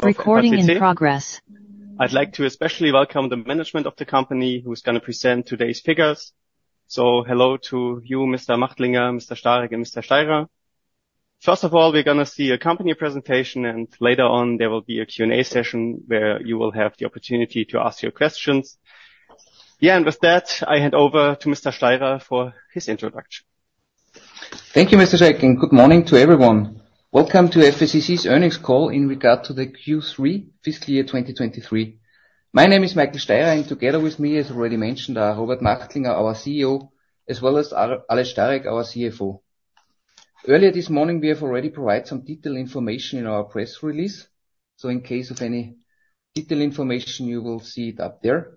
I'd like to especially welcome the management of the company, who's gonna present today's figures. So hello to you, Mr. Machtlinger, Mr. Stárek, and Mr. Steirer. First of all, we're gonna see a company presentation, and later on, there will be a Q&A session, where you will have the opportunity to ask your questions. Yeah, and with that, I hand over to Mr. Steirer for his introduction. Thank you, Mr. Stárek, and good morning to everyone. Welcome to FACC's earnings call in regard to the Q3 fiscal year, 2023. My name is Michael Steirer, and together with me, as already mentioned, are Robert Machtlinger, our CEO, as well as Aleš Stárek, our CFO. Earlier this morning, we have already provided some detailed information in our press release, so in case of any detailed information, you will see it up there.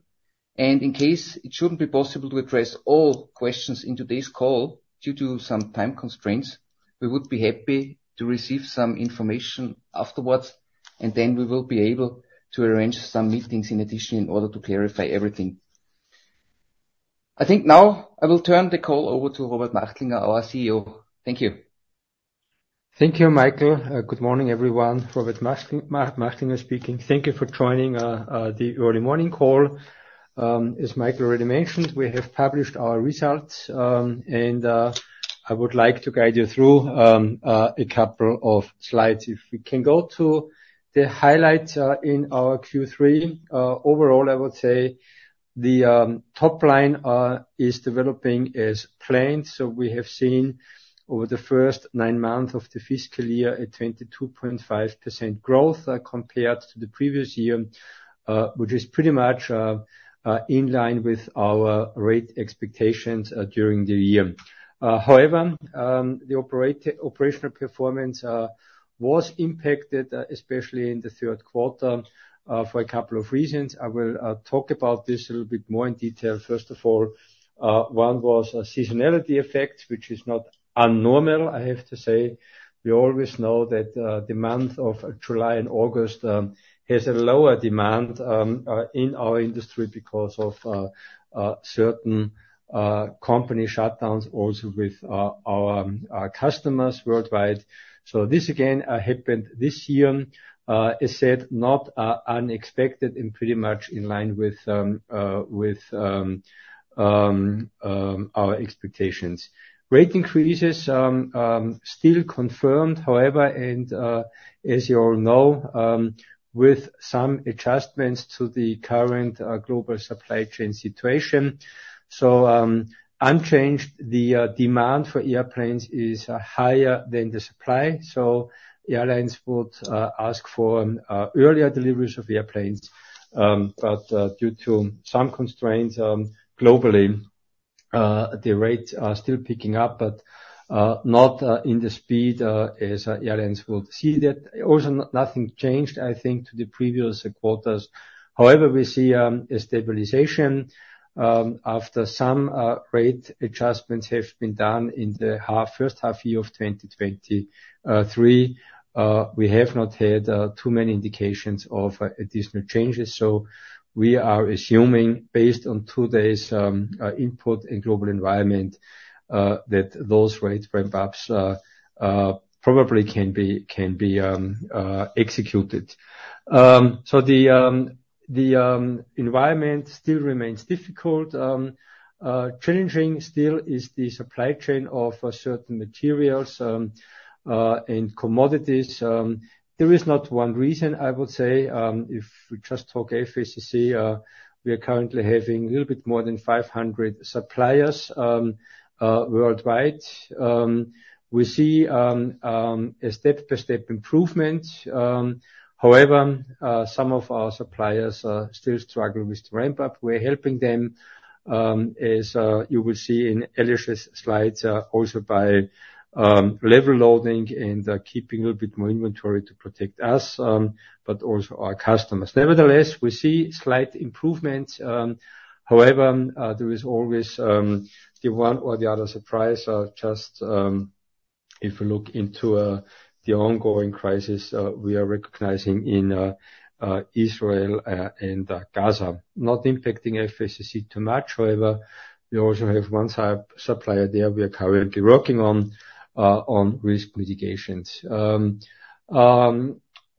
In case it shouldn't be possible to address all questions in today's call, due to some time constraints, we would be happy to receive some information afterwards, and then we will be able to arrange some meetings in addition, in order to clarify everything. I think now I will turn the call over to Robert Machtlinger, our CEO. Thank you. Thank you, Michael. Good morning, everyone. Robert Machtlinger speaking. Thank you for joining the early morning call. As Michael already mentioned, we have published our results, and I would like to guide you through a couple of slides. If we can go to the highlights in our Q3. Overall, I would say the top line is developing as planned. So we have seen over the first nine months of the fiscal year, a 22.5% growth compared to the previous year, which is pretty much in line with our rate expectations during the year. However, the operational performance was impacted, especially in the third quarter, for a couple of reasons. I will talk about this a little bit more in detail. First of all, one was a seasonality effect, which is not unnormal, I have to say. We always know that, the month of July and August, has a lower demand, in our industry because of, certain company shutdowns also with, our customers worldwide. So this again, happened this year. As said, not unexpected and pretty much in line with, with our expectations. Rate increases, still confirmed, however, and, as you all know, with some adjustments to the current, global supply chain situation. So, unchanged, the demand for airplanes is higher than the supply, so the airlines would, ask for, earlier deliveries of airplanes. But due to some constraints globally, the rates are still picking up, but not in the speed as airlines would see that. Also, nothing changed, I think, to the previous quarters. However, we see a stabilization after some rate adjustments have been done in the first half year of 2023. We have not had too many indications of additional changes, so we are assuming, based on today's input and global environment, that those rates perhaps probably can be executed. So the environment still remains difficult. Challenging still is the supply chain of certain materials and commodities. There is not one reason I would say, if we just talk FACC, we are currently having a little bit more than 500 suppliers worldwide. We see a step-by-step improvement. However, some of our suppliers are still struggling with the ramp-up. We're helping them, as you will see in Aleš's slides, also by level loading and keeping a little bit more inventory to protect us, but also our customers. Nevertheless, we see slight improvements, however, there is always the one or the other surprise. Just, if you look into the ongoing crisis, we are recognizing in Israel and Gaza. Not impacting FACC too much, however, we also have one supplier there we are currently working on, on risk mitigations.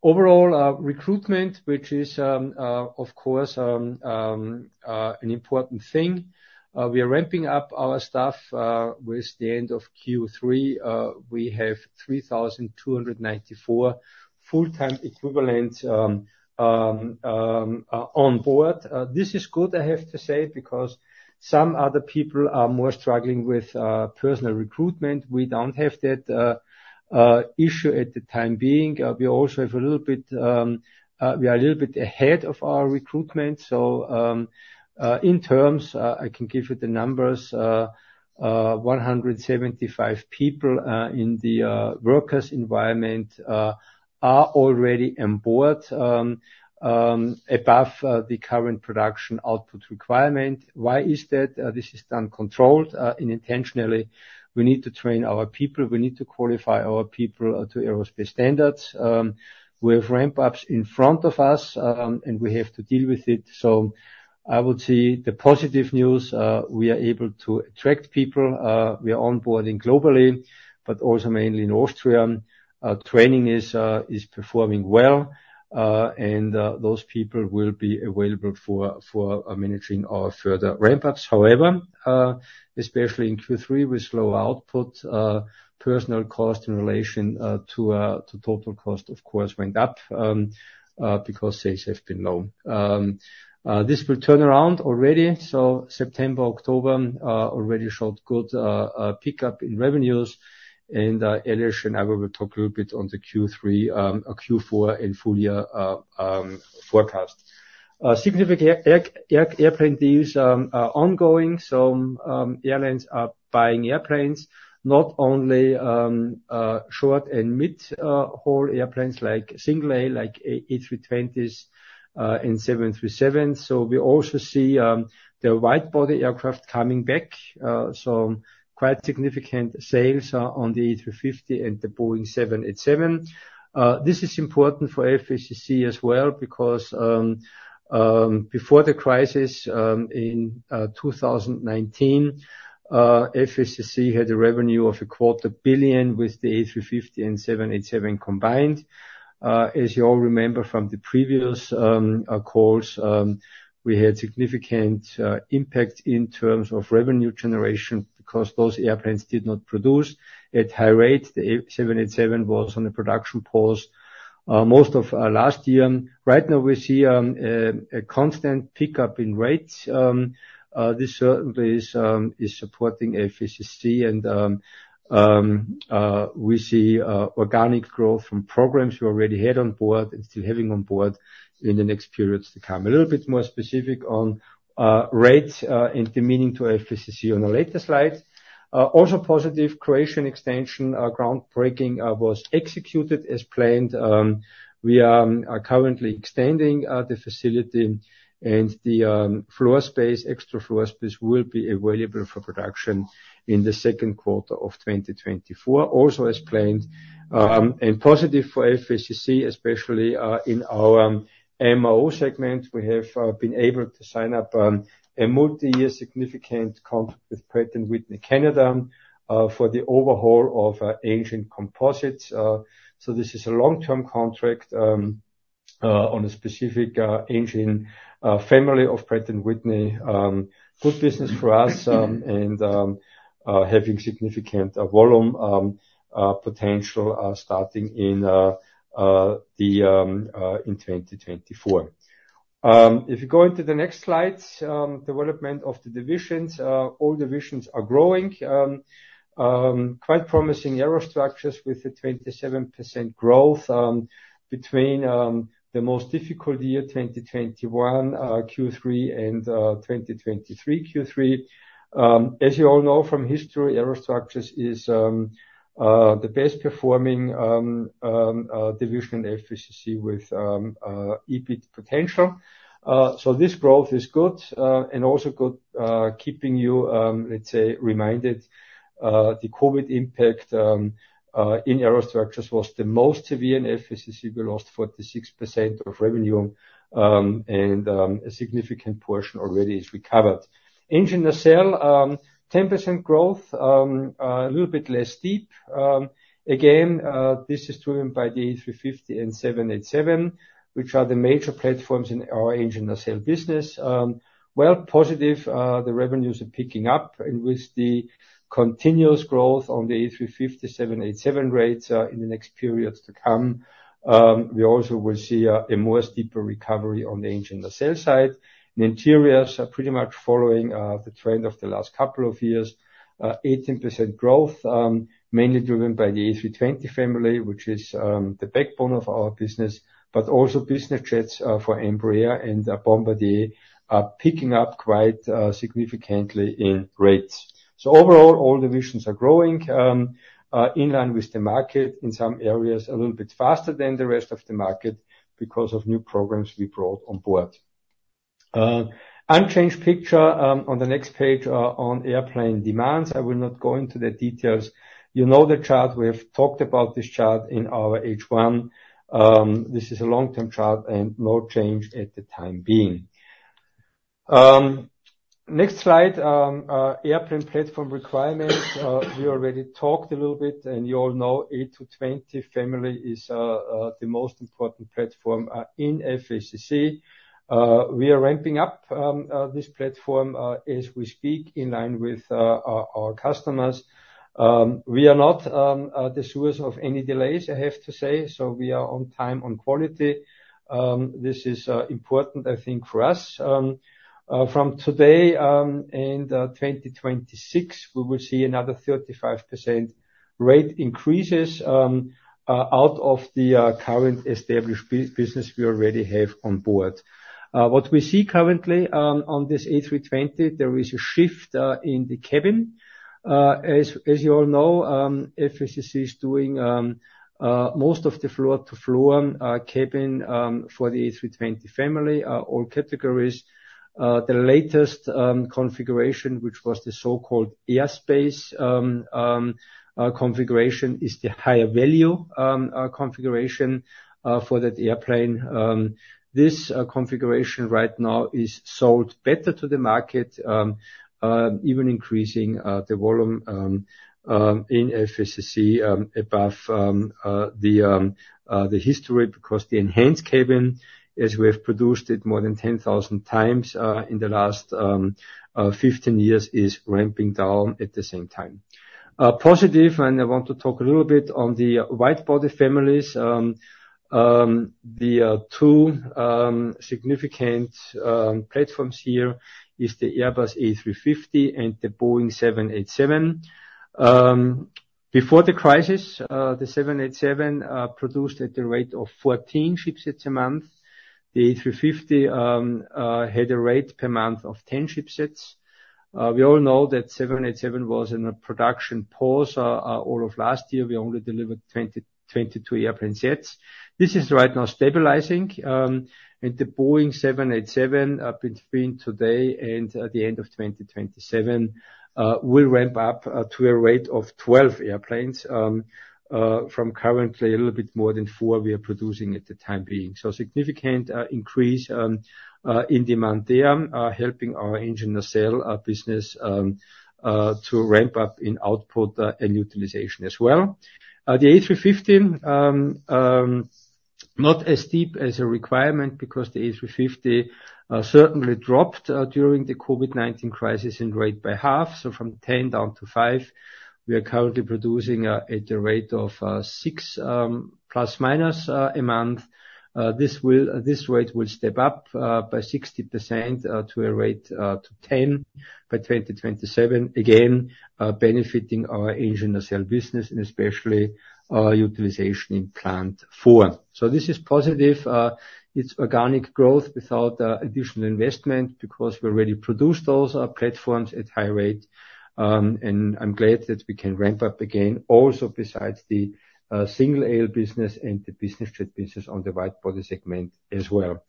Overall, recruitment, which is, of course, an important thing. We are ramping up our staff with the end of Q3. We have 3,294 full-time equivalent on board. This is good, I have to say, because some other people are more struggling with personal recruitment. We don't have that issue at the time being. We also have a little bit, we are a little bit ahead of our recruitment. So, in terms, I can give you the numbers. 175 people in the workers environment are already on board above the current production output requirement. Why is that? This is done controlled intentionally. We need to train our people, we need to qualify our people, to aerospace standards. We have ramp ups in front of us, and we have to deal with it. So I would say the positive news, we are able to attract people. We are onboarding globally, but also mainly in Austria. Training is performing well, and those people will be available for managing our further ramp ups. However, especially in Q3, with lower output, personnel cost in relation to total cost, of course, went up, because sales have been low. This will turn around already, so September, October, already showed good pickup in revenues. And, Aleš and I will talk a little bit on the Q3, Q4 and full year forecast. Significant airplane deals are ongoing. So, airlines are buying airplanes, not only short- and mid-haul airplanes, like single-aisle, like A320s and 737. So we also see the wide-body aircraft coming back. So quite significant sales are on the A350 and the Boeing 787. This is important for FACC as well, because before the crisis, in 2019, FACC had a revenue of 250 million with the A350 and 787 combined. As you all remember from the previous calls, we had significant impact in terms of revenue generation because those airplanes did not produce at high rates. The 787 was on a production pause most of last year. Right now, we see a constant pickup in rates. This certainly is supporting FACC, and we see organic growth from programs we already had on board and still having on board in the next periods to come. A little bit more specific on rates and the meaning to FACC on a later slide. Also, positive Croatian extension, groundbreaking, was executed as planned. We are currently extending the facility and the floor space. Extra floor space will be available for production in the second quarter of 2024, also as planned. And positive for FACC, especially in our MRO segment, we have been able to sign up a multi-year significant contract with Pratt & Whitney Canada for the overhaul of engine composites. So this is a long-term contract on a specific engine family of Pratt & Whitney. Good business for us, and having significant volume potential starting in 2024. If you go into the next slide, development of the divisions. All divisions are growing. Quite promising Aerostructures with a 27% growth between the most difficult year, 2021 Q3 and 2023 Q3. As you all know from history, Aerostructures is the best performing division in FACC with EBIT potential. So this growth is good, and also good keeping you, let's say, reminded, the COVID impact in Aerostructures was the most severe in FACC. We lost 46% of revenue, and a significant portion already is recovered. Engine nacelle, 10% growth, a little bit less steep. Again, this is driven by the A350 and 787, which are the major platforms in our engine nacelle business. Well, positive, the revenues are picking up, and with the continuous growth on the A350, 787 rates, in the next periods to come, we also will see a more steeper recovery on the engine nacelle side. Interiors are pretty much following the trend of the last couple of years. 18% growth, mainly driven by the A320 family, which is the backbone of our business, but also business jets for Embraer and Bombardier are picking up quite significantly in rates. So overall, all divisions are growing in line with the market. In some areas, a little bit faster than the rest of the market because of new programs we brought on board. Unchanged picture on the next page on airplane demands. I will not go into the details. You know the chart. We have talked about this chart in our H1. This is a long-term chart and no change at the time being. Next slide, airplane platform requirements. We already talked a little bit, and you all know A320 family is the most important platform in FACC. We are ramping up this platform as we speak, in line with our customers. We are not the source of any delays, I have to say, so we are on time, on quality. This is important, I think, for us. From today and 2026, we will see another 35% rate increases out of the current established business we already have on board. What we see currently on this A320, there is a shift in the cabin. As you all know, FACC is doing most of the floor to floor cabin for the A320 family, all categories. The latest configuration, which was the so-called Airspace configuration, is the higher value configuration for that airplane. This configuration right now is sold better to the market, even increasing the volume in FACC above the history, because the enhanced cabin, as we have produced it more than 10,000x in the last 15 years, is ramping down at the same time. Positive, and I want to talk a little bit on the wide-body families. The two significant platforms here is the Airbus A350 and the Boeing 787. Before the crisis, the 787 produced at the rate of 14 ship sets a month. The A350 had a rate per month of 10 ship sets. We all know that 787 was in a production pause all of last year. We only delivered 22 airplane sets. This is right now stabilizing, and the Boeing 787, between today and the end of 2027, will ramp up, to a rate of 12 airplanes, from currently a little bit more than four we are producing at the time being. So significant increase in demand there, helping our engine nacelle business to ramp up in output and utilization as well. The A350, not as steep as a requirement, because the A350 certainly dropped during the COVID-19 crisis in rate by half, so from 10 down to 5. We are currently producing at a rate of 6 ± a month. This rate will step up by 60% to a rate to 10 by 2027. Again, benefiting our engine nacelle business, and especially our utilization in plant four. So this is positive. It's organic growth without additional investment, because we already produced those platforms at high rate. And I'm glad that we can ramp up again, also besides the single-aisle business and the business jet business on the wide body segment as well.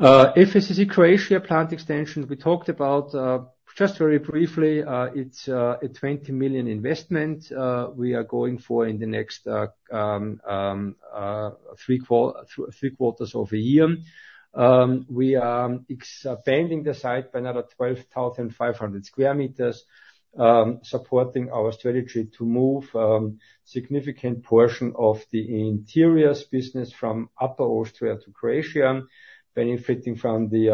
FACC Croatia plant extension, we talked about just very briefly, it's a 20 million investment we are going for in the next three quarters of a year. We are expanding the site by another 12,500 square meters, supporting our strategy to move significant portion of the interiors business from Upper Austria to Croatia, benefiting from the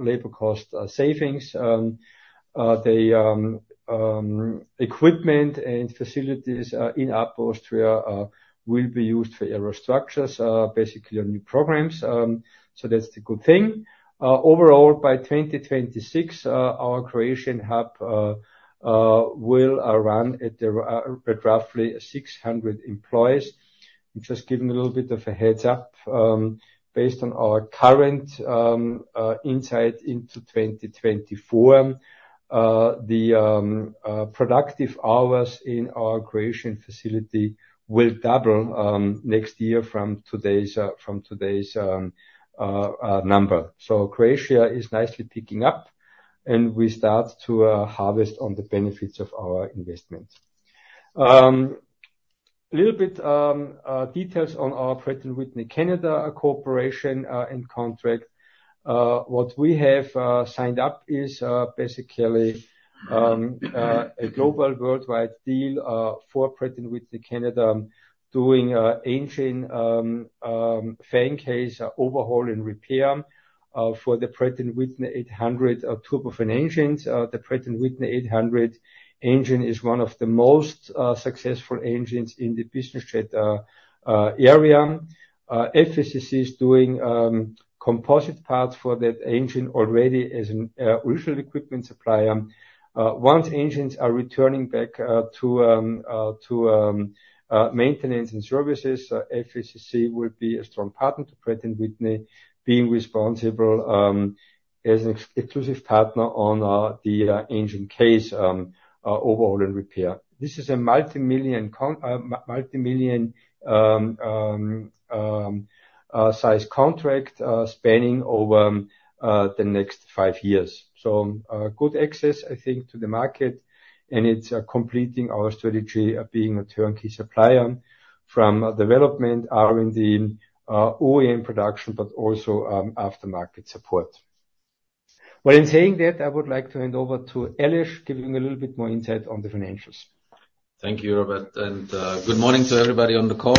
labor cost savings. The equipment and facilities in Upper Austria will be used for aerostructures, basically on new programs. So that's the good thing. Overall, by 2026, our Croatian hub will run at roughly 600 employees. Just giving a little bit of a heads up, based on our current insight into 2024, the productive hours in our Croatian facility will double next year from today's number. Croatia is nicely picking up, and we start to harvest on the benefits of our investment. A little bit details on our Pratt & Whitney Canada cooperation and contract. What we have signed up is basically a global worldwide deal for Pratt & Whitney Canada, doing engine fan case overhaul and repair for the Pratt & Whitney 800 turbofan engines. The Pratt & Whitney 800 engine is one of the most successful engines in the business jet area. FACC is doing composite parts for that engine already as an original equipment supplier. Once engines are returning back to maintenance and services, FACC will be a strong partner to Pratt & Whitney, being responsible as an exclusive partner on the engine case overhaul and repair. This is a multimillion-EUR size contract, spanning over the next five years. So, good access, I think, to the market, and it's completing our strategy of being a turnkey supplier from a development R&D, OEM production, but also aftermarket support. Well, in saying that, I would like to hand over to Aleš, giving a little bit more insight on the financials. Thank you, Robert, and good morning to everybody on the call.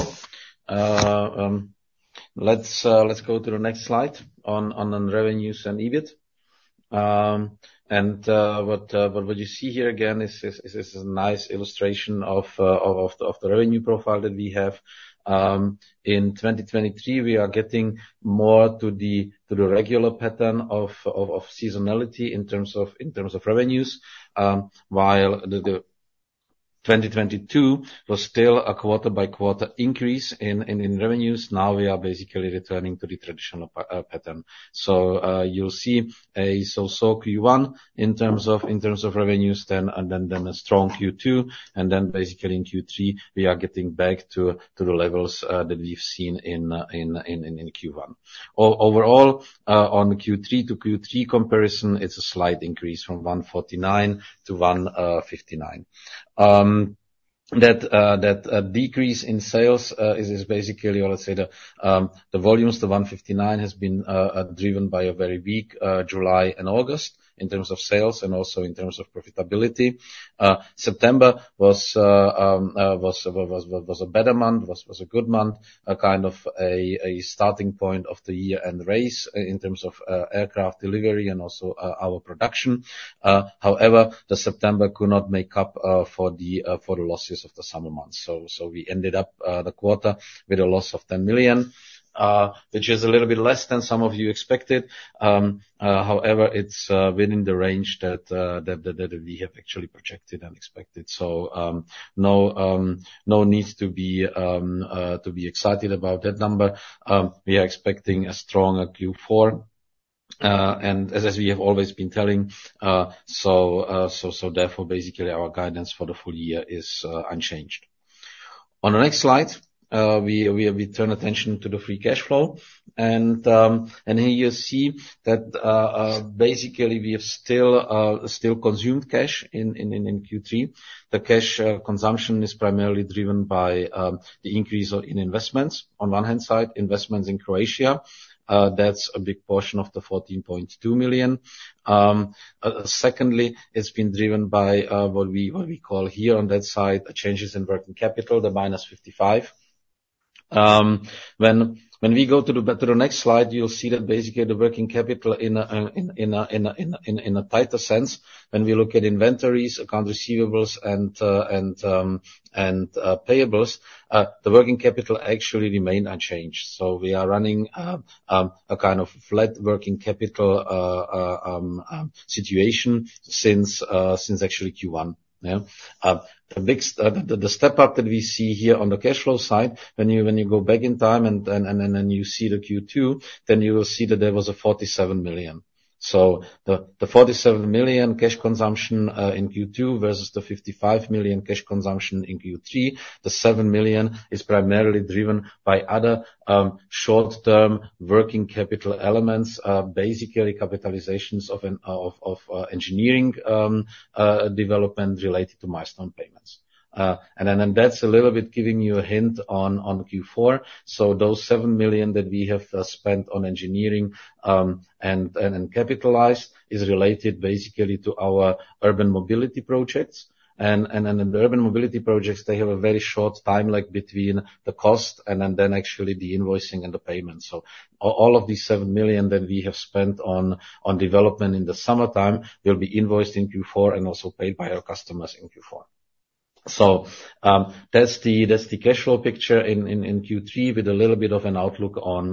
Let's go to the next slide on the revenues and EBIT. What you see here again is a nice illustration of the revenue profile that we have. In 2023, we are getting more to the regular pattern of seasonality in terms of revenues. While the 2022 was still a quarter-by-quarter increase in revenues, now we are basically returning to the traditional pattern. So, you'll see a so-so Q1 in terms of revenues then, and then a strong Q2, and then basically in Q3, we are getting back to the levels that we've seen in Q1. Overall, on the Q3 to Q3 comparison, it's a slight increase from 149 million to 159 million. That decrease in sales is basically, let's say, the volumes; the 159 million has been driven by a very weak July and August in terms of sales and also in terms of profitability. September was a better month, was a good month, a kind of a starting point of the year-end race in terms of aircraft delivery and also our production. However, September could not make up for the losses of the summer months. So we ended up the quarter with a loss of 10 million, which is a little bit less than some of you expected. However, it's within the range that we have actually projected and expected. So, no need to be excited about that number. We are expecting a stronger Q4, and as we have always been telling, so therefore, basically, our guidance for the full year is unchanged. On the next slide, we turn attention to the free cash flow. And here you see that basically, we have still consumed cash in Q3. The cash consumption is primarily driven by the increase of in investments. On one hand side, investments in Croatia, that's a big portion of the 14.2 million. Secondly, it's been driven by what we call here on that side, changes in working capital, the -55 million. When we go to the next slide, you'll see that basically, the working capital in a tighter sense, when we look at inventories, account receivables, and payables, the working capital actually remained unchanged. So we are running a kind of flat working capital situation since actually Q1. Yeah. The big step up that we see here on the cash flow side, when you go back in time and then you see the Q2, then you will see that there was a 47 million. So the 47 million cash consumption in Q2 versus the 55 million cash consumption in Q3, the 7 million is primarily driven by other short-term working capital elements, basically capitalizations of engineering development related to milestone payments. And then that's a little bit giving you a hint on Q4. So those 7 million that we have spent on engineering and capitalized is related basically to our urban mobility projects. Then the urban mobility projects, they have a very short time, like, between the cost and then actually the invoicing and the payments. So all of these 7 million that we have spent on development in the summertime will be invoiced in Q4 and also paid by our customers in Q4. So that's the cash flow picture in Q3 with a little bit of an outlook on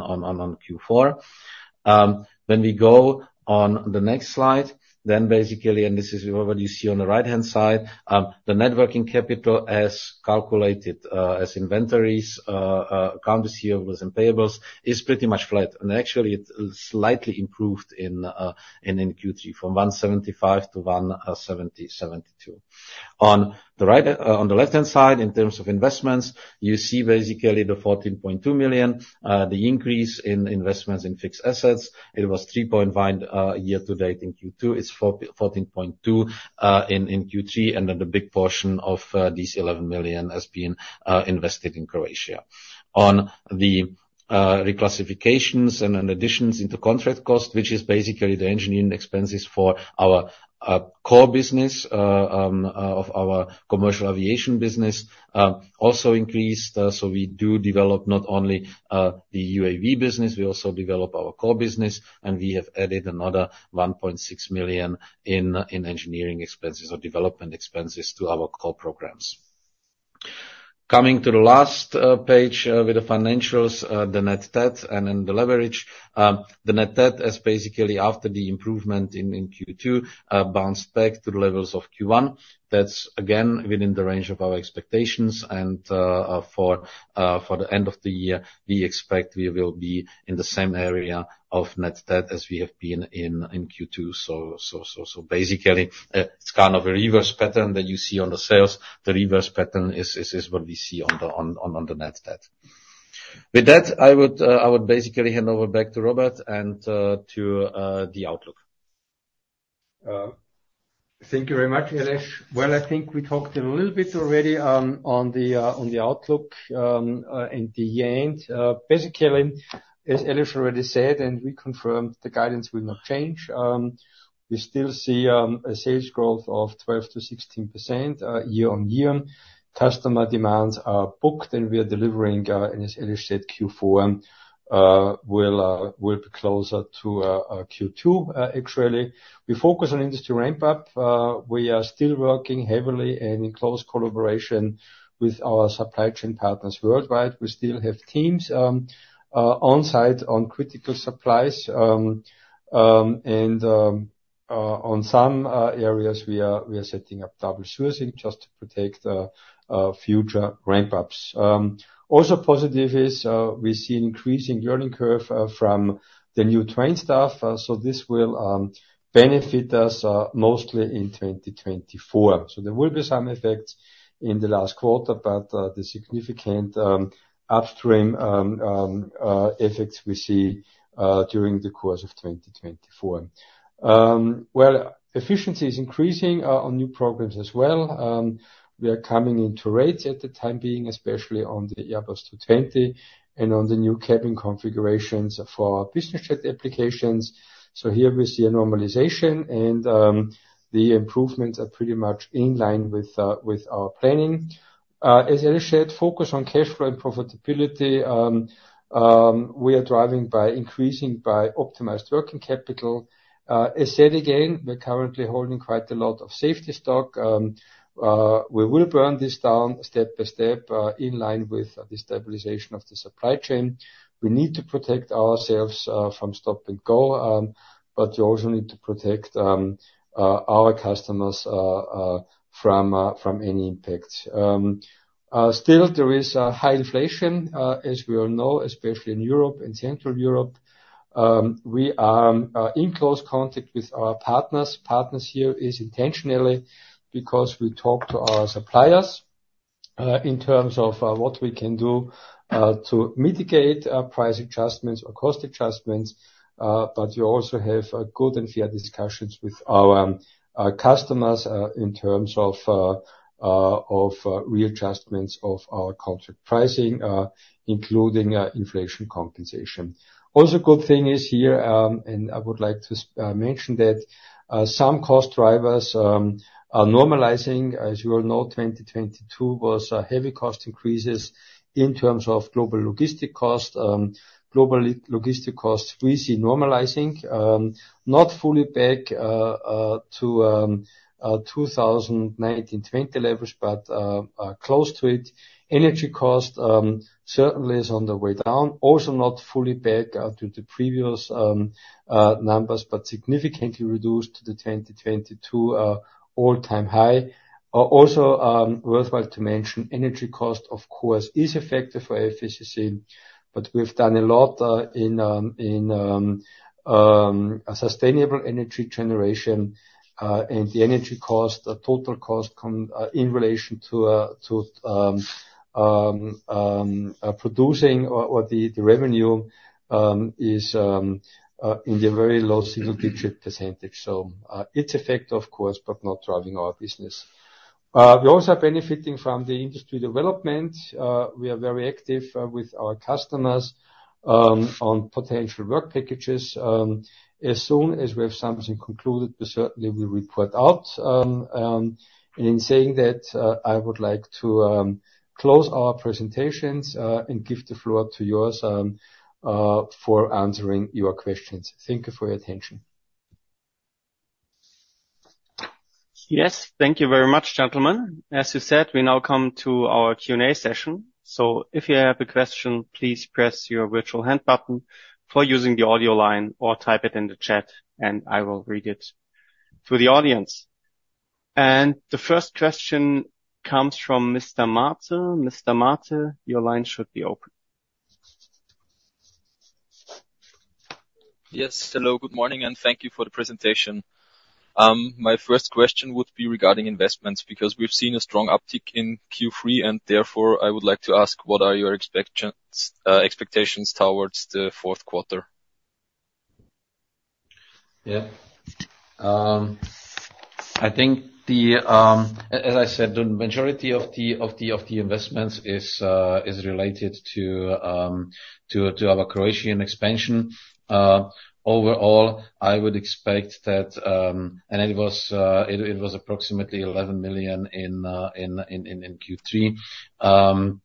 Q4. When we go on the next slide, then basically, and this is what you see on the right-hand side, the net working capital as calculated as inventories, accounts receivable and payables, is pretty much flat, and actually, it slightly improved in Q3 from 175 to 172. On the right, on the left-hand side, in terms of investments, you see basically the 14.2 million, the increase in investments in fixed assets. It was 3.1 million year to date in Q2. It's 14.2 million in Q3, and then the big portion of this 11 million has been invested in Croatia. On the reclassifications and additions into contract cost, which is basically the engineering expenses for our core business of our commercial aviation business, also increased. So we do develop not only the UAV business, we also develop our core business, and we have added another 1.6 million in engineering expenses or development expenses to our core programs. Coming to the last page with the financials, the net debt and then the leverage. The net debt is basically after the improvement in Q2 bounced back to the levels of Q1. That's again within the range of our expectations and for the end of the year, we expect we will be in the same area of net debt as we have been in Q2. So basically it's kind of a reverse pattern that you see on the sales. The reverse pattern is what we see on the net debt. With that, I would basically hand over back to Robert and to the outlook. Thank you very much, Aleš. Well, I think we talked a little bit already, on the outlook, and the end. Basically, as Aleš already said, and we confirmed, the guidance will not change. We still see a sales growth of 12%-16% year-on-year. Customer demands are booked, and we are delivering in, as Aleš said, Q4 will be closer to Q2, actually. We focus on industry ramp-up. We are still working heavily and in close collaboration with our supply chain partners worldwide. We still have teams on site on critical supplies. And on some areas, we are setting up double sourcing just to protect the future ramp-ups. Also positive is we see increasing learning curve from the newly trained staff. So this will benefit us mostly in 2024. So there will be some effects in the last quarter, but the significant upstream effects we see during the course of 2024. Well, efficiency is increasing on new programs as well. We are coming into rates at the time being, especially on the Airbus A220 and on the new cabin configurations for business jet applications. So here we see a normalization, and the improvements are pretty much in line with our planning. As Aleš said, focus on cash flow and profitability. We are driving by increasing optimized working capital. As said again, we're currently holding quite a lot of safety stock. We will burn this down step by step in line with the stabilization of the supply chain. We need to protect ourselves from stop and go, but you also need to protect our customers from any impact. Still there is a high inflation as we all know, especially in Europe and Central Europe. We are in close contact with our partners. Partners here is intentionally because we talk to our suppliers in terms of what we can do to mitigate price adjustments or cost adjustments. But you also have good and fair discussions with our customers in terms of readjustments of our contract pricing including inflation compensation. Also, good thing is here, and I would like to mention that some cost drivers are normalizing. As you all know, 2022 was heavy cost increases in terms of global logistics costs. Global logistics costs, we see normalizing, not fully back to 2019-20 levels, but close to it. Energy cost certainly is on the way down. Also, not fully back to the previous numbers, but significantly reduced to the 2022 all-time high. Also, worthwhile to mention, energy cost, of course, is effective for FACC, but we've done a lot in a sustainable energy generation, and the energy cost, the total cost in relation to producing or the revenue, is in the very low single-digit %. So, it's an effect, of course, but not driving our business. We also are benefiting from the industry development. We are very active with our customers on potential work packages. As soon as we have something concluded, we certainly will report out. And in saying that, I would like to close our presentations, and give the floor up to yours for answering your questions. Thank you for your attention. Yes, thank you very much, gentlemen. As you said, we now come to our Q&A session. So if you have a question, please press your virtual hand button for using the audio line or type it in the chat, and I will read it to the audience. And the first question comes from Mr. Matejka. Mr. Matejka, your line should be open. Yes. Hello, good morning, and thank you for the presentation. My first question would be regarding investments, because we've seen a strong uptick in Q3, and therefore, I would like to ask, what are your expectations towards the fourth quarter? Yeah. I think, as I said, the majority of the investments is related to our Croatian expansion. Overall, I would expect that. It was approximately 11 million in Q3.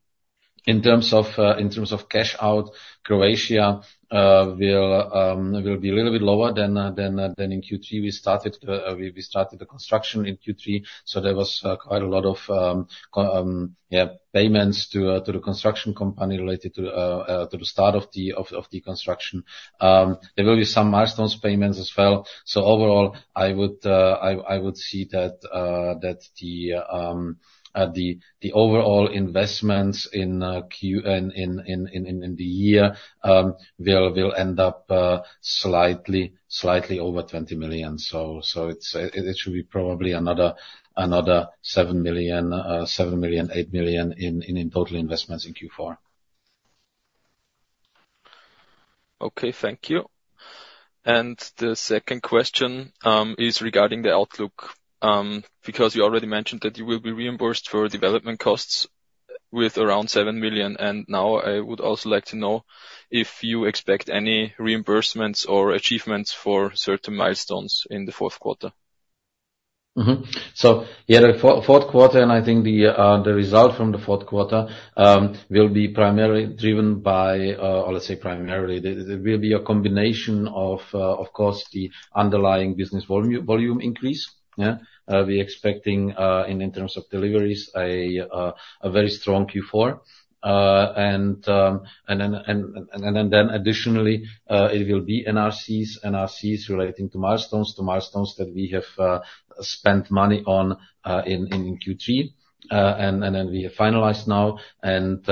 In terms of cash out, Croatia will be a little bit lower than in Q3. We started the construction in Q3, so there was quite a lot of payments to the construction company related to the start of the construction. There will be some milestones payments as well. So overall, I would see that the overall investments in the year will end up slightly over 20 million. So it should be probably another 7 million-8 million in total investments in Q4. Okay, thank you. And the second question is regarding the outlook. Because you already mentioned that you will be reimbursed for development costs with around 7 million, and now I would also like to know if you expect any reimbursements or achievements for certain milestones in the fourth quarter? So yeah, the fourth quarter, and I think the result from the fourth quarter will be primarily driven by, or let's say primarily, it will be a combination of, of course, the underlying business volume increase, yeah. We're expecting, in terms of deliveries, a very strong Q4. And then additionally, it will be NRCs. NRCs relating to milestones that we have spent money on in Q3, and then we have finalized now, and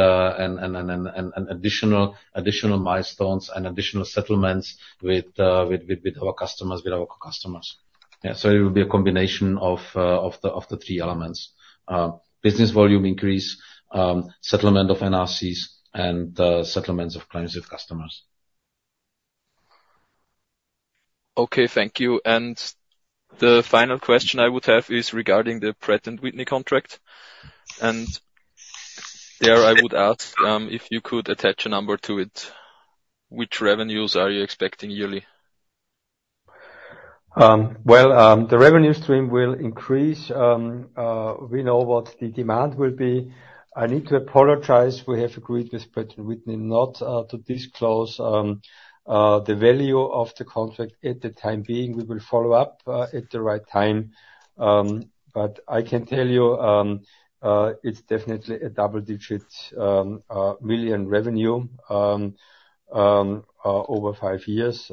additional milestones and additional settlements with our customers. Yeah, so it will be a combination of the three elements. Business volume increase, settlement of NRCs and settlements of claims with customers. Okay, thank you. The final question I would have is regarding the Pratt & Whitney contract. There I would ask, if you could attach a number to it, which revenues are you expecting yearly? Well, the revenue stream will increase. We know what the demand will be. I need to apologize, we have agreed with Pratt & Whitney not to disclose the value of the contract at the time being. We will follow up at the right time, but I can tell you, it's definitely a double-digit million revenue over five years.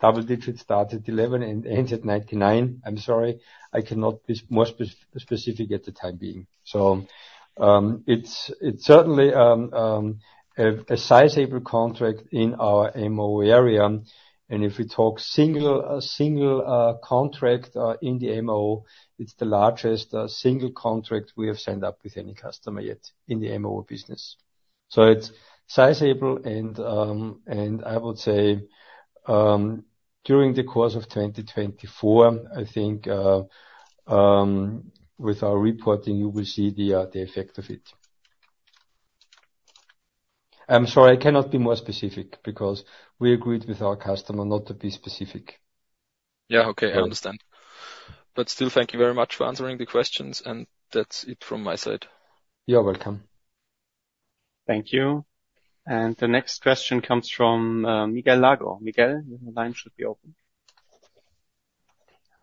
Double digit starts at eleven and ends at ninety-nine. I'm sorry, I cannot be more specific at the time being. So, it's certainly a sizable contract in our MO area, and if we talk single, a single contract in the MO, it's the largest single contract we have signed up with any customer yet in the MO business. So it's sizable, and I would say during the course of 2024, I think, with our reporting, you will see the effect of it. I'm sorry, I cannot be more specific because we agreed with our customer not to be specific. Yeah. Okay, I understand. But still, thank you very much for answering the questions, and that's it from my side. You're welcome. Thank you. And the next question comes from, Miguel Lago. Miguel, your line should be open.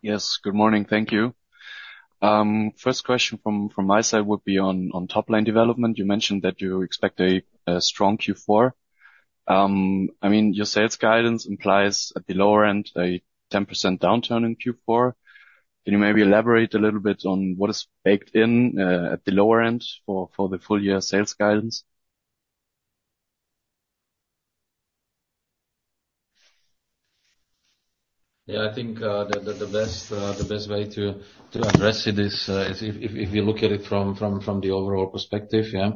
Yes, good morning. Thank you. First question from my side would be on top-line development. You mentioned that you expect a strong Q4. I mean, your sales guidance implies at the lower end, a 10% downturn in Q4. Can you maybe elaborate a little bit on what is baked in at the lower end for the full year sales guidance? Yeah, I think the best way to address it is if you look at it from the overall perspective, yeah.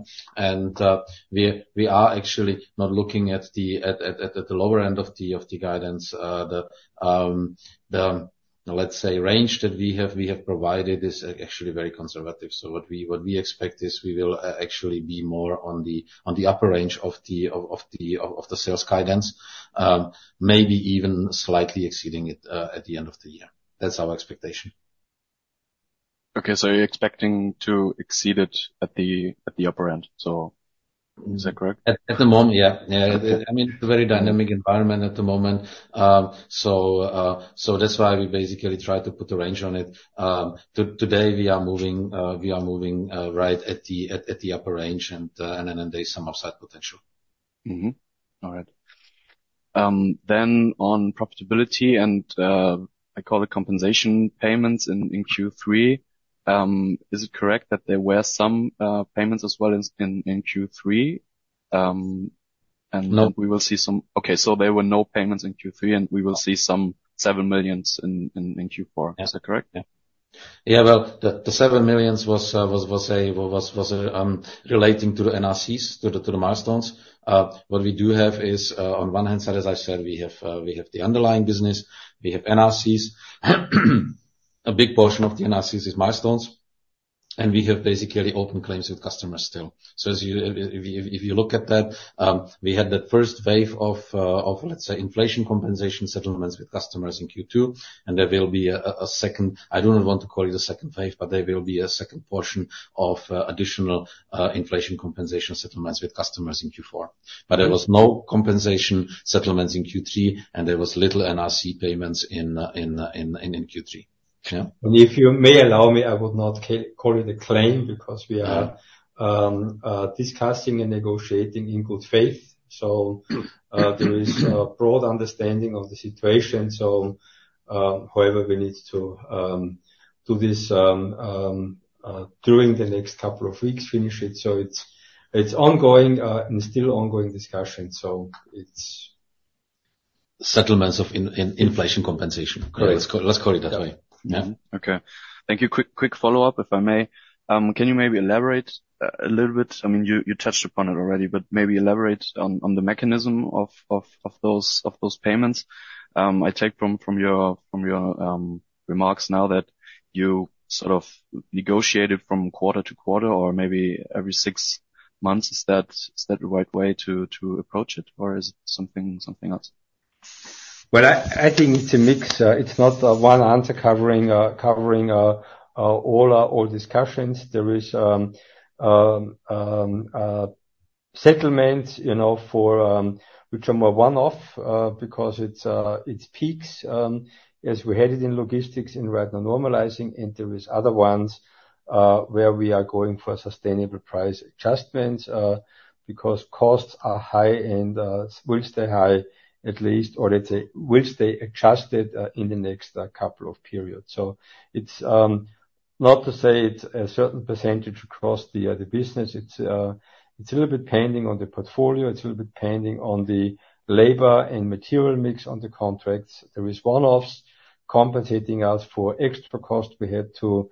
We are actually not looking at the lower end of the guidance. The range that we have provided is actually very conservative. So what we expect is we will actually be more on the upper range of the sales guidance, maybe even slightly exceeding it at the end of the year. That's our expectation. Okay, so you're expecting to exceed it at the upper end. So is that correct? At the moment, yeah. Yeah, I mean, it's a very dynamic environment at the moment. So, that's why we basically try to put a range on it. Today, we are moving right at the upper range, and then there's some upside potential. Mm-hmm. All right. Then on profitability and, I call it compensation payments in Q3, is it correct that there were some payments as well in Q3? And. No. Okay, so there were no payments in Q3, and we will see some 7 million in Q4. Yeah. Is that correct? Yeah. Well, the 7 million was relating to the NRCs, to the milestones. What we do have is, on one hand side, as I said, we have the underlying business, we have NRCs. A big portion of the NRCs is milestones, and we have basically open claims with customers still. So as you, if you look at that, we had that first wave of, let's say, inflation compensation settlements with customers in Q2, and there will be a second. I do not want to call it a second wave, but there will be a second portion of additional inflation compensation settlements with customers in Q4. But there was no compensation settlements in Q3, and there was little NRC payments in Q3. Yeah. If you may allow me, I would not call it a claim, because we are- Yeah... discussing and negotiating in good faith. So, there is a broad understanding of the situation. So, however, we need to do this during the next couple of weeks, finish it. So it's ongoing and still ongoing discussion, so it's settlements of inflation compensation. Correct. Let's call it that way. Yeah. Okay. Thank you. Quick follow-up, if I may. Can you maybe elaborate a little bit? I mean, you touched upon it already, but maybe elaborate on the mechanism of those payments. I take from your remarks now that you sort of negotiate it from quarter-to-quarter or maybe every six months. Is that the right way to approach it, or is it something else? Well, I think it's a mix. It's not one answer covering all our discussions. There is settlement, you know, for which are more one-off, because it peaks as we had it in logistics and right now normalizing, and there is other ones where we are going for sustainable price adjustments because costs are high and will stay high at least, or let's say, will stay adjusted in the next couple of periods. So it's not to say it's a certain percentage across the business. It's a little bit depending on the portfolio. It's a little bit depending on the labor and material mix on the contracts. There is one-offs compensating us for extra cost we had to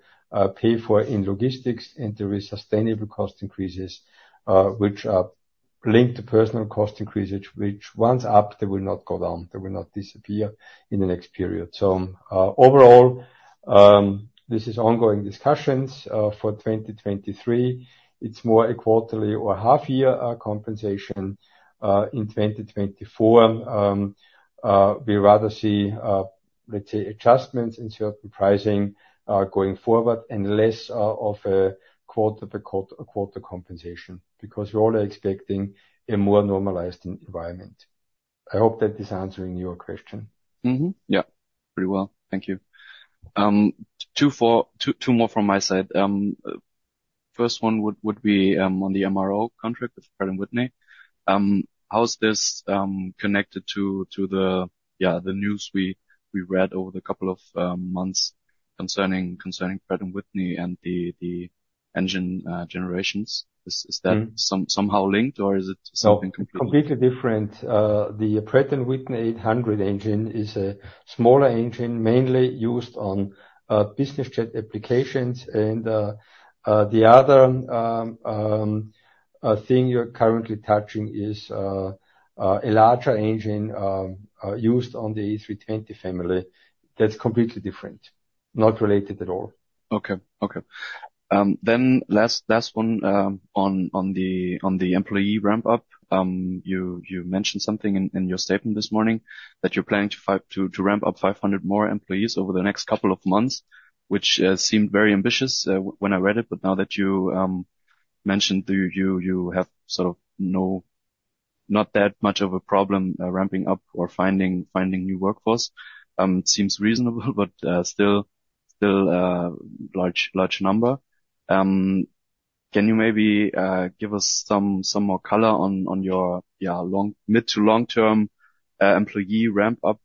pay for in logistics, and there is sustainable cost increases, which are linked to personnel cost increases, which once up, they will not go down, they will not disappear in the next period. So, overall, this is ongoing discussions for 2023. It's more a quarterly or half-year compensation. In 2024, we rather see, let's say, adjustments in certain pricing going forward, and less of a quarter-to-quarter compensation, because we're only expecting a more normalized environment. I hope that is answering your question. Mm-hmm. Yeah, pretty well. Thank you. Two more from my side. First one would be on the MRO contract with Pratt & Whitney. How is this connected to the news we read over the couple of months concerning Pratt & Whitney and the engine generations? Mm-hmm. Is that somehow linked, or is it something completely- No, completely different. The Pratt & Whitney 800 engine is a smaller engine, mainly used on business jet applications, and the other thing you're currently touching is a larger engine used on the A320 family. That's completely different, not related at all. Okay. Then last one on the employee ramp-up. You mentioned something in your statement this morning, that you're planning to ramp up 500 more employees over the next couple of months, which seemed very ambitious when I read it, but now that you mentioned you have sort of not that much of a problem ramping up or finding new workforce, it seems reasonable, but still a large number. Can you maybe give us some more color on your mid- to long-term employee ramp-up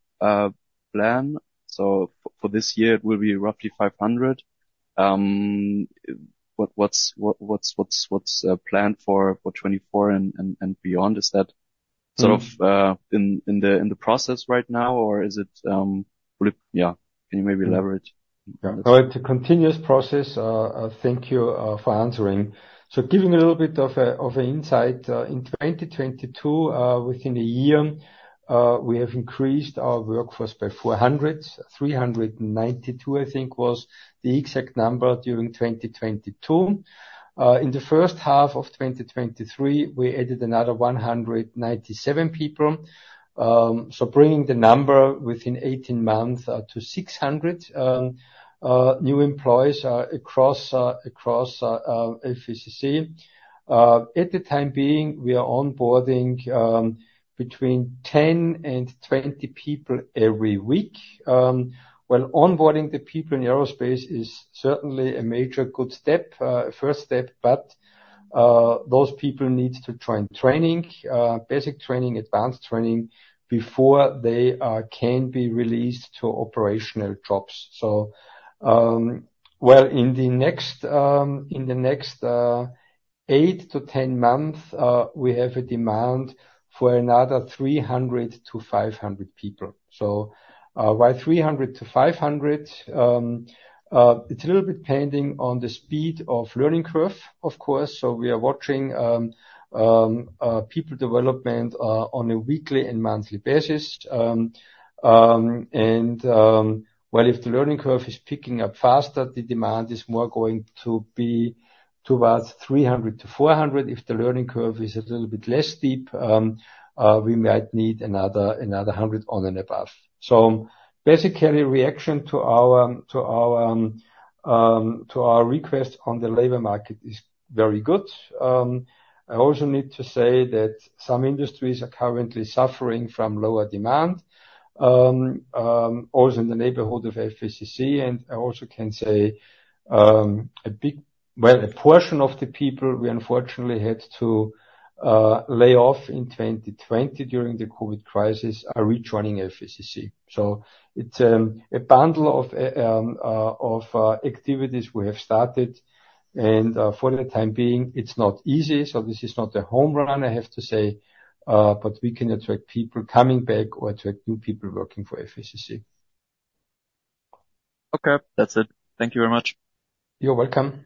plan? So for this year, it will be roughly 500. What is planned for 2024 and beyond? Is that- Mm-hmm... sort of, in the process right now, or is it, yeah, can you maybe elaborate? Well, it's a continuous process. Thank you for answering. So giving a little bit of an insight, in 2022, within a year, we have increased our workforce by 400, 392, I think was the exact number during 2022. In the first half of 2023, we added another 197 people. So bringing the number within 18 months to 600 new employees across FACC. At the time being, we are onboarding between 10 and 20 people every week. While onboarding the people in aerospace is certainly a major good step, first step, but those people need to join training, basic training, advanced training, before they can be released to operational jobs. So, well, in the next eight to ten months, we have a demand for another 300-500 people. So, why 300-500? It's a little bit depending on the speed of learning curve, of course. So we are watching people development on a weekly and monthly basis. And well, if the learning curve is picking up faster, the demand is more going to be towards 300-400. If the learning curve is a little bit less steep, we might need another 100 on and above. So basically, reaction to our request on the labor market is very good. I also need to say that some industries are currently suffering from lower demand, also in the neighborhood of FACC. And I also can say, well, a portion of the people we unfortunately had to lay off in 2020 during the COVID crisis are rejoining FACC. So it's a bundle of activities we have started, and for the time being, it's not easy, so this is not a home run, I have to say, but we can attract people coming back or attract new people working for FACC. Okay, that's it. Thank you very much. You're welcome.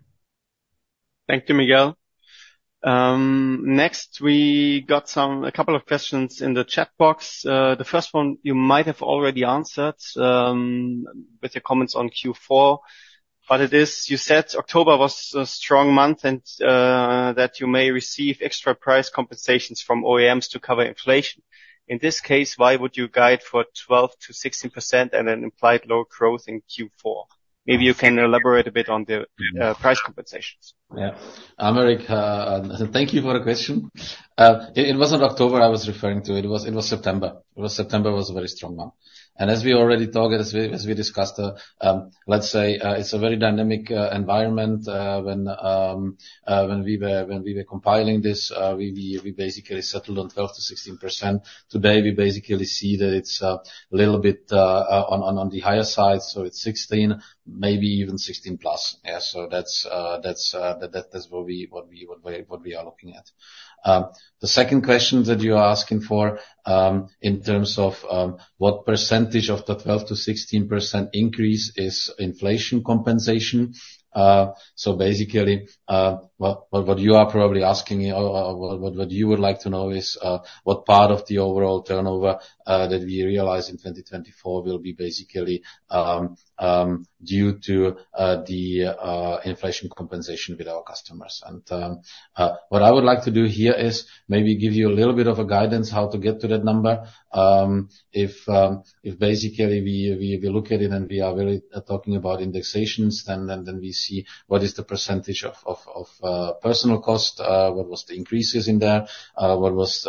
Thank you, Miguel. Next, we got a couple of questions in the chat box. The first one you might have already answered with your comments on Q4, but it is, you said October was a strong month and that you may receive extra price compensations from OEMs to cover inflation. In this case, why would you guide for 12%-16% and then implied lower growth in Q4? Maybe you can elaborate a bit on the price compensations. Yeah. Aymeric, thank you for the question. It wasn't October I was referring to. It was September. It was September was a very strong month. As we already talked, as we discussed, let's say, it's a very dynamic environment. When we were compiling this, we basically settled on 12%-16%. Today, we basically see that it's a little bit on the higher side, so it's 16%, maybe even 16%+. Yeah. So that's what we are looking at. The second question that you are asking for, in terms of, what percentage of the 12%-16% increase is inflation compensation. So basically, what you are probably asking me, or what you would like to know is, what part of the overall turnover that we realize in 2024 will be basically due to the inflation compensation with our customers. And what I would like to do here is maybe give you a little bit of a guidance how to get to that number. If basically we look at it, and we are very talking about indexations, then we see what is the percentage of personnel cost, what was the increases in there? What is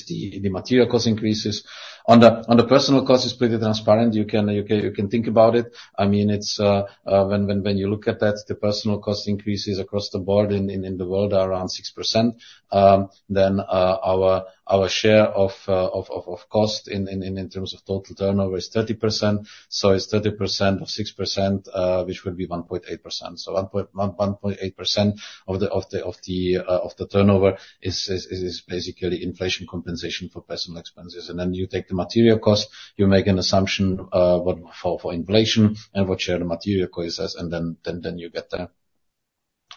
the material cost increases? On the personnel cost, it's pretty transparent. You can think about it. I mean, it's when you look at that, the personnel cost increases across the board in the world are around 6%. Then our share of cost in terms of total turnover is 30%, so it's 30% of 6%, which would be 1.8%. So 1.8% of the turnover is basically inflation compensation for personnel expenses. And then you take the material cost, you make an assumption what for inflation and what share the material cost is, and then you get there.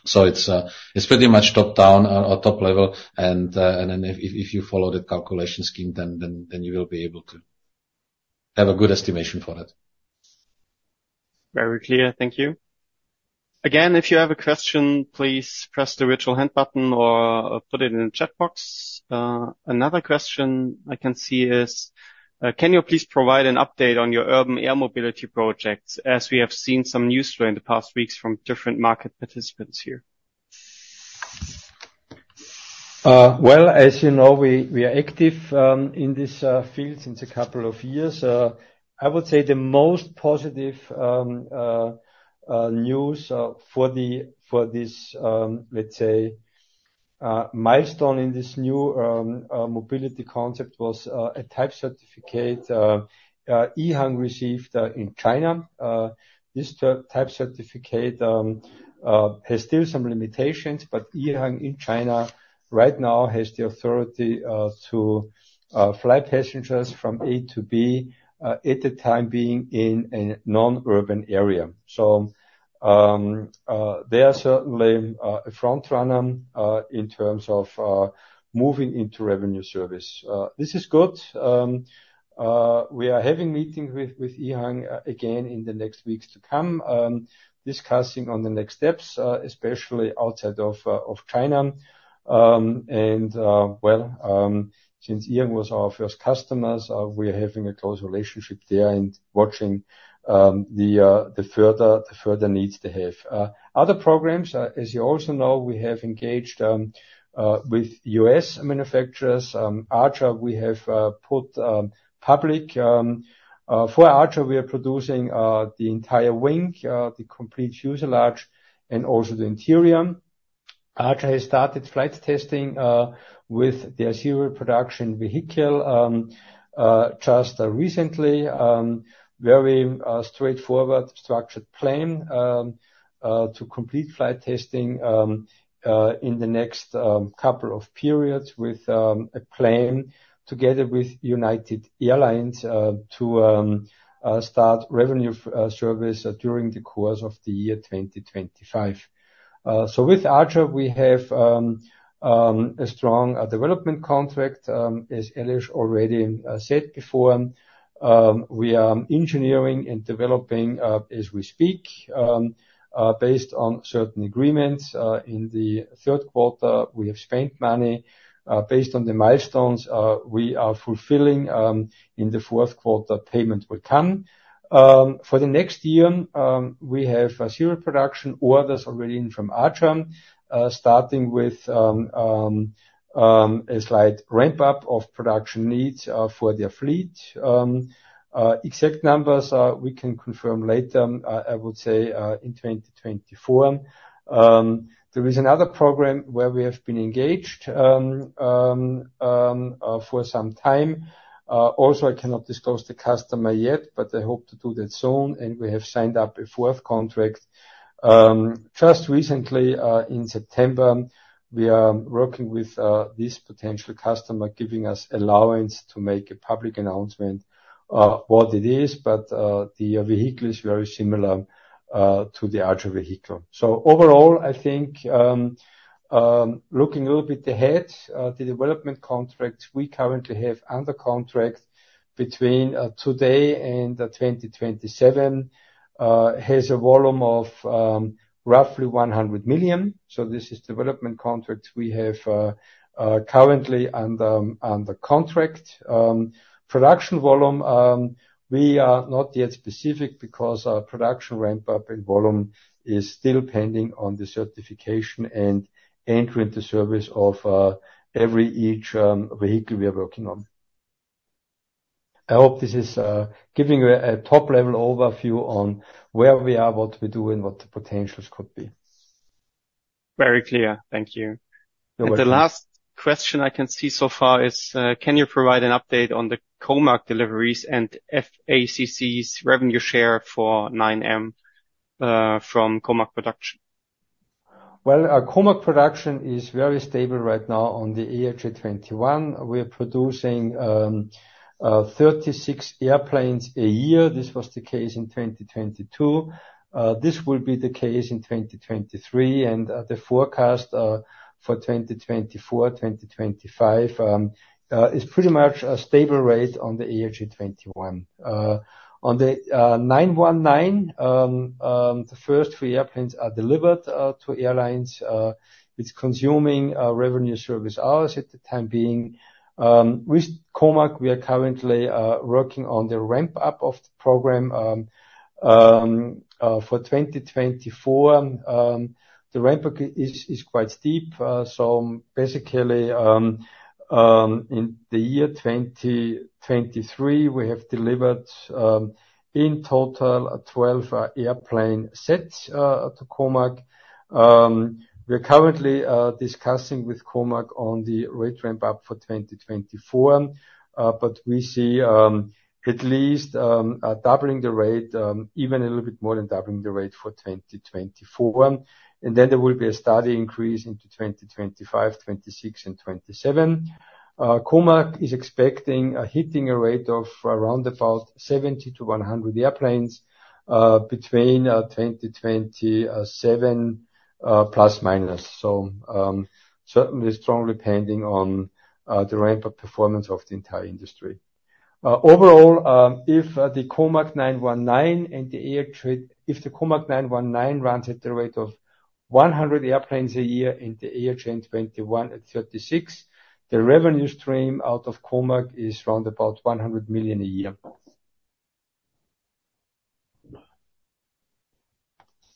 It's pretty much top-down or top-level, and then if you follow the calculation scheme, then you will be able to have a good estimation for that. Very clear. Thank you. Again, if you have a question, please press the virtual hand button or put it in the chat box. Another question I can see is: Can you please provide an update on your urban air mobility projects, as we have seen some newsflow in the past weeks from different market participants here? Well, as you know, we are active in this field since a couple of years. I would say the most positive news for this, let's say, milestone in this new mobility concept was a type certificate EHang received in China. This type certificate has still some limitations, but EHang in China right now has the authority to fly passengers from A to B at the time being in a non-urban area. So, they are certainly a front runner in terms of moving into revenue service. This is good. We are having meetings with EHang again in the next weeks to come, discussing on the next steps, especially outside of China. Since EHang was our first customers, we're having a close relationship there and watching the further needs they have. Other programs, as you also know, we have engaged with U.S. manufacturers. For Archer, we are producing the entire wing, the complete fuselage and also the interior. Archer has started flight testing with their zero production vehicle just recently. Very straightforward structured plan to complete flight testing in the next couple of periods with a plane together with United Airlines to start revenue service during the course of the year 2025. So with Archer, we have a strong development contract. As Aleš already said before, we are engineering and developing as we speak. Based on certain agreements, in the third quarter, we have spent money. Based on the milestones, we are fulfilling, in the fourth quarter, payment will come. For the next year, we have a zero production orders already in from Archer, starting with a slight ramp up of production needs for their fleet. Exact numbers, we can confirm later, I would say, in 2024. There is another program where we have been engaged for some time. Also, I cannot disclose the customer yet, but I hope to do that soon, and we have signed up a fourth contract. Just recently, in September, we are working with this potential customer, giving us allowance to make a public announcement what it is, but the vehicle is very similar to the Archer vehicle. So overall, I think, looking a little bit ahead, the development contract we currently have under contract between today and 2027 has a volume of roughly 100 million. So this is development contract we have currently under contract. Production volume, we are not yet specific because our production ramp up and volume is still pending on the certification and entry into service of each vehicle we are working on. I hope this is giving you a top-level overview on where we are, what we do, and what the potentials could be. Very clear. Thank you. You're welcome. The last question I can see so far is, can you provide an update on the COMAC deliveries and FACC's revenue share for 9M from COMAC production? Well, our COMAC production is very stable right now on the ARJ21. We're producing 36 airplanes a year. This was the case in 2022. This will be the case in 2023, and the forecast for 2024, 2025 is pretty much a stable rate on the ARJ21. On the C919, the first 3 airplanes are delivered to airlines. It's consuming revenue service hours at the time being. With COMAC, we are currently working on the ramp-up of the program for 2024. The ramp-up is quite steep. So basically, in the year 2023, we have delivered, in total, 12 airplane sets to COMAC. We are currently discussing with COMAC on the rate ramp up for 2024, but we see at least doubling the rate, even a little bit more than doubling the rate for 2024. Then there will be a steady increase into 2025, 2026, and 2027. COMAC is expecting hitting a rate of around about 70-100 airplanes between 2027 plus minus. So certainly strongly depending on the ramp-up performance of the entire industry. Overall, if the COMAC C919 runs at the rate of 100 airplanes a year and the ARJ21 at 36, the revenue stream out of COMAC is around about 100 million a year.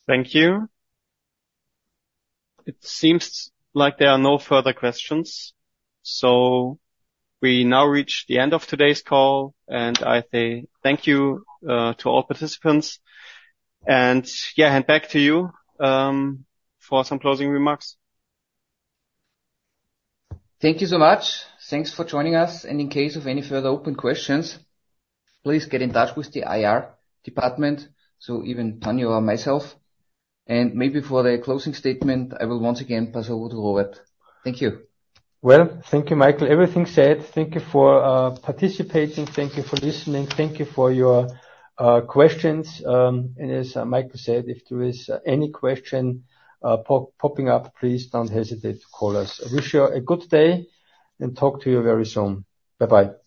Thank you. It seems like there are no further questions, so we now reach the end of today's call, and I say thank you to all participants. And yeah, hand back to you for some closing remarks. Thank you so much. Thanks for joining us, and in case of any further open questions, please get in touch with the IR department, so even Tanya or myself. And maybe for the closing statement, I will once again pass over to Robert. Thank you. Well, thank you, Michael. Everything said, thank you for participating. Thank you for listening. Thank you for your questions. As Michael said, if there is any question popping up, please don't hesitate to call us. I wish you a good day, and talk to you very soon. Bye-bye.